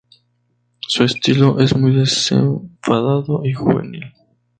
Su estilo es muy desenfadado y juvenil.